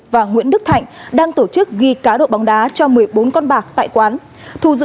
là phán bộ ngân hàng